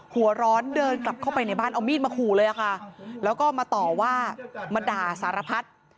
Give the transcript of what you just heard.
หัวร้อนเดินกลับเข้าไปในบ้านเอามีดมาขู่เลยค่ะแล้วก็มาต่อว่ามาด่าสารพัฒน์